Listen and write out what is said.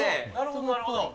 なるほど。